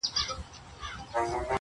• په ورور تور پوري کوې په زړه خیرنه..